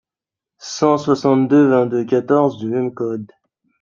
cent soixante-deux-vingt-deux-quatorze du même code.